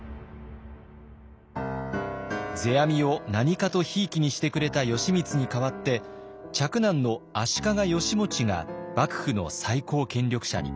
世阿弥を何かとひいきにしてくれた義満に代わって嫡男の足利義持が幕府の最高権力者に。